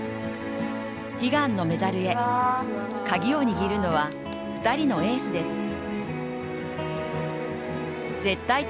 悲願のメダルへの鍵を握るのは２人のエースです。